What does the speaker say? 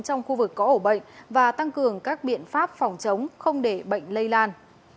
trong khu vực có ổ bệnh và tăng cường các biện pháp phòng chống không để bệnh lây lan